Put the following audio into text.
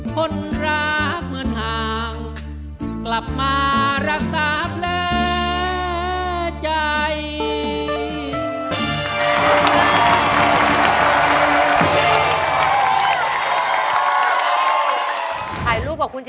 คนรักเหมือนห่างกลับมารักษาแล้วใจ